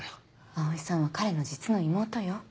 葵さんは彼の実の妹よ。